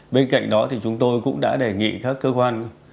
bên cạnh đó thì chúng tôi cũng đã đề nghị các cơ quan